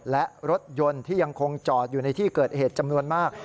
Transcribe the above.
และรถยนต์ที่ยังคงจอดอยู่ในที่เกิดเหตุจำนวนมาก